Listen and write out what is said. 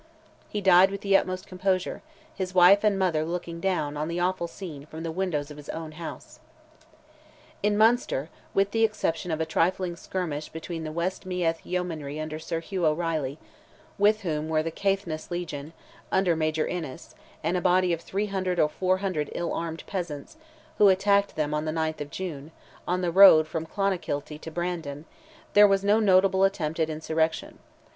He died with the utmost composure; his wife and mother looking down, on the awful scene from the windows of his own house. In Munster, with the exception of a trifling skirmish between the West Meath yeomanry under Sir Hugh O'Reilly, with whom were the Caithness legion, under Major Innes, and a body of 300 or 400 ill armed peasants, who attacked them on the 19th of June, on the road from Clonakilty to Bandon, there was no notable attempt at insurrection.